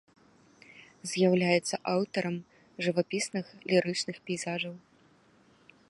З'яўляецца аўтарам жывапісных лірычных пейзажаў.